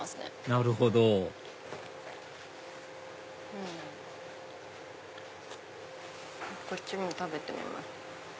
なるほどこっちも食べてみます。